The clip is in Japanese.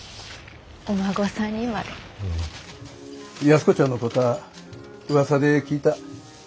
安子ちゃんのこたあうわさで聞いた。